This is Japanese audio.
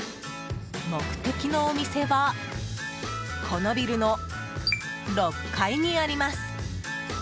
目的のお店はこのビルの６階にあります。